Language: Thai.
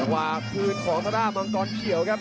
ว่าคืนของธรรมดามังกรเขียวครับ